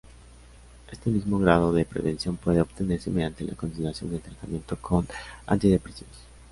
Este mismo grado de prevención puede obtenerse mediante la continuación del tratamiento con antidepresivos.